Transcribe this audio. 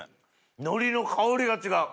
海苔の香りが違う。